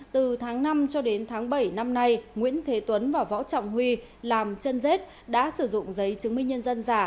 từ tháng năm cho đến tháng bảy năm nay nguyễn thế tuấn và võ trọng huy làm chân rết đã sử dụng giấy chứng minh nhân dân giả